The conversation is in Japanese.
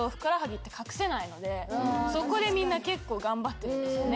そこでみんな結構頑張ってるんですよね。